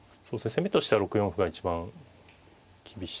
攻めとしては６四歩が一番厳しそうですけど。